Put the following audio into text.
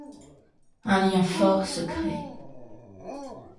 Un lien fort se crée.